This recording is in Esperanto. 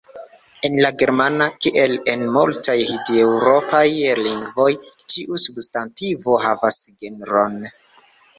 En la germana, kiel en multaj hindeŭropaj lingvoj, ĉiu substantivo havas genron.